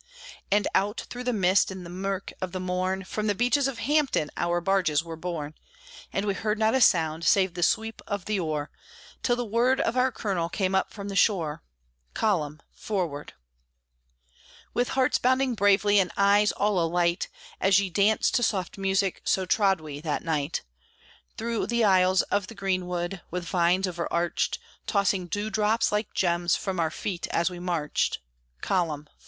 And out, through the mist, and the murk of the morn, From the beaches of Hampton our barges were borne; And we heard not a sound, save the sweep of the oar, Till the word of our colonel came up from the shore "Column! Forward!" With hearts bounding bravely, and eyes all alight, As ye dance to soft music, so trod we that night; Through the aisles of the greenwood, with vines overarched, Tossing dew drops, like gems, from our feet, as we marched "Column!